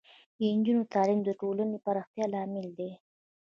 د نجونو تعلیم د ټولنې پراختیا لامل دی.